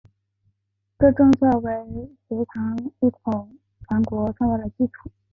这政策为隋唐一统全国创造了基础。